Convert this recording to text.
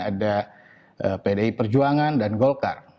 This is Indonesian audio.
ada pdi perjuangan dan golkar